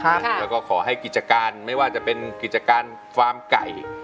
แล้วก็ขอให้กิจการไม่ว่าจะเป็นกิจการฟาร์มไก่